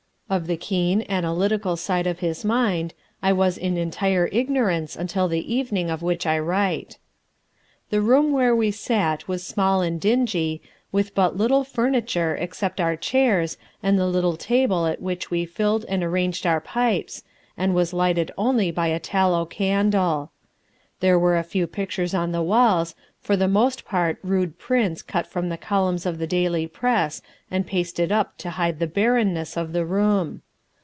Of the keen, analytical side of his mind, I was in entire ignorance until the evening of which I write. The room where we sat was small and dingy, with but little furniture except our chairs and the little table at which we filled and arranged our pipes, and was lighted only by a tallow candle. There were a few pictures on the walls, for the most part rude prints cut from the columns of the daily press and pasted up to hide the bareness of the room.